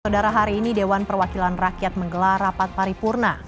saudara hari ini dewan perwakilan rakyat menggelar rapat paripurna